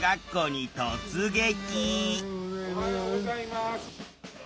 おはようございます！